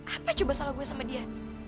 apa coba salah gue sama dia